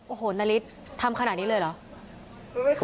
โอ้โหนาริสทำขนาดนี้เลยเหรอ